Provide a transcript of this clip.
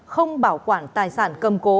không bảo quản tài sản cầm cố